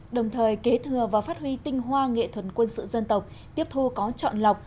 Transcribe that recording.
đồng thời kế thừa và phát huy tinh hoa nghệ thuật quân sự dân tộc tiếp thu có chọn lọc